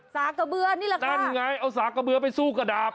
สากระเบือนี่แหละค่ะนั่นไงเอาสากระเบือไปสู้กระดาบ